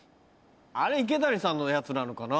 あれ池谷さんのやつなのかな？